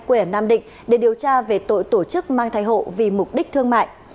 quê ở nam định để điều tra về tội tổ chức mang thai hộ vì mục đích thương mại